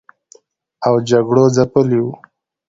او جګړو ځپلي و